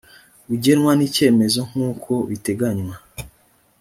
ugenwa n icyemezo nk uko biteganywa